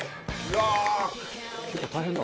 結構大変だ。